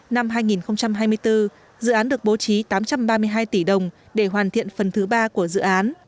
năm hai nghìn hai mươi bốn dự án được bố trí tám trăm ba mươi hai tỷ đồng để hoàn thiện phần thứ ba của dự án